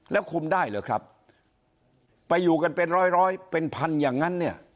แล้วคุมได้เหรอครับไปอยู่กันเป็นร้อยร้อยเป็นพันอย่างนั้นเนี่ย